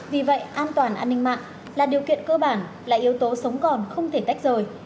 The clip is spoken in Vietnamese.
vì vậy an toàn an ninh mạng là điều kiện cơ bản là yếu tố sống còn không thể tách rời